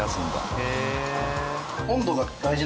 へえ。